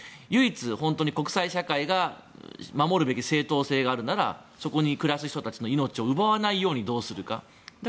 唯一、国際社会が守るべき正当性があるならそこに暮らす人たちの命を奪わないようにどうするか。